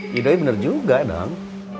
yaudah bener juga dong